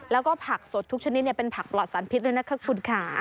แล้วก็ผักสดทุกชนิดเป็นผักปลอดสารพิษด้วยนะคะคุณค่ะ